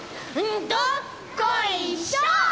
どっこいしょ！